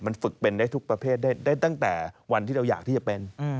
มันฝึกเป็นได้ทุกประเภทได้ตั้งแต่วันที่เราอยากที่จะเป็น